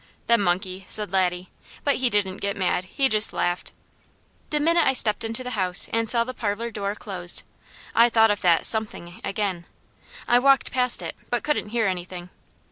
"The monkey!" said Laddie, but he didn't get mad; he just laughed. The minute I stepped into the house and saw the parlour door closed, I thought of that "something" again. I walked past it, but couldn't hear anything.